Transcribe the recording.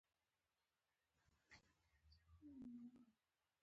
جنرال راته وویل.